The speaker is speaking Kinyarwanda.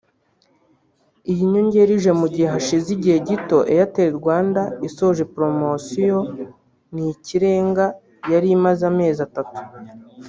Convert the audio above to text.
Iyi nyongera ije mu gihe hashize igihe gito Airtel Rwanda isoje poromosiyo ‘Ni Ikirengaaa’ yari imaze amezi atatu